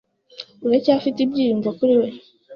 Uracyafite ibyiyumvo kuri we?